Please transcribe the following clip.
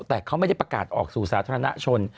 แต่เขาไม่ได้ประกาศออกสู่สาธารณชน